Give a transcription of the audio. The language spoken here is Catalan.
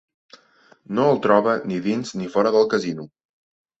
No el troba ni dins ni fora del casino.